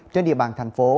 trên địa bàn thành phố